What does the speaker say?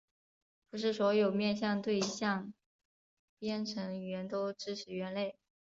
不是所有面向对象编程语言都支持元类。